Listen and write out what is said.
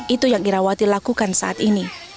itu yang irawati lakukan saat ini